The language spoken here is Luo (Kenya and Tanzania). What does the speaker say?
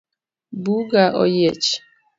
Buga oyiech.